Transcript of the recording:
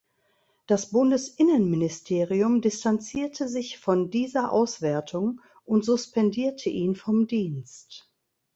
Das Bundesinnenministerium distanzierte sich von dieser Auswertung und suspendierte ihn vom Dienst.